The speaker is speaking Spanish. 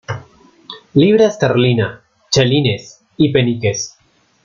Libra esterlina, chelines y peniques.